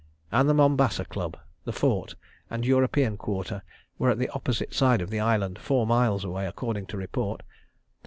... And the Mombasa Club, the Fort, and European quarter were at the opposite side of the island, four miles away, according to report.